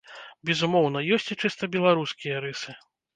Безумоўна ёсць і чыста беларускія рысы.